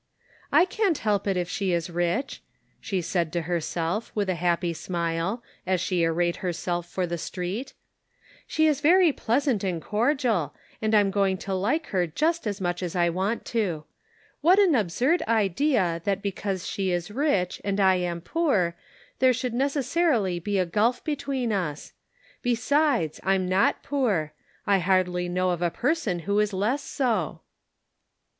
" I can't help it if she is rich," she said to herself, with a happy smile, as she arrayed herself for the street. "She is very pleasant and cordial, and I am going to like her just as much as I want to. What an absurd idea that because she is rich and I am poor, there should necessarily be a gulf between us ! Besides, I'm not poor ; I hardly know of a person who is less so."